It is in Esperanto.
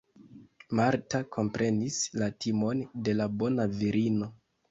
Marta komprenis la timon de la bona virino.